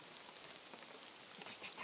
いたいたいた。